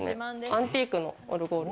アンティークのオルゴール。